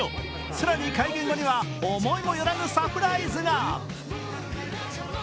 更に会見後には思いもよらぬサプライズが。